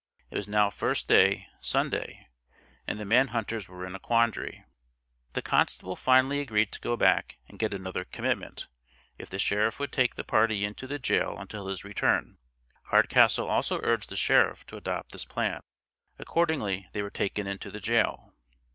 It was now first day (Sunday), and the man hunters were in a quandary. The constable finally agreed to go back and get another commitment, if the sheriff would take the party into the jail until his return; Hardcastle also urged the sheriff to adopt this plan. Accordingly they were taken into the jail.